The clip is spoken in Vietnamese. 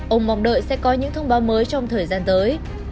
ông mong đợi sẽ có những thông báo mới trong thời gian tới